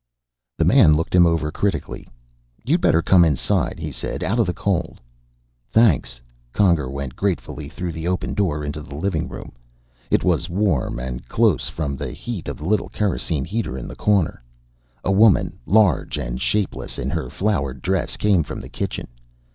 The man looked him over critically. "You better come inside," he said. "Out of the cold." "Thanks." Conger went gratefully through the open door, into the living room. It was warm and close from the heat of the little kerosene heater in the corner. A woman, large and shapeless in her flowered dress, came from the kitchen.